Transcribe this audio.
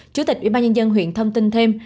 chủ tịch ủy ban nhân dân huyện thông tin thêm